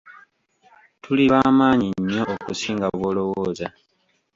Tuli bamaanyi nnyo okusinga bw'olowooza.